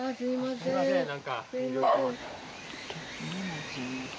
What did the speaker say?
すいません何か。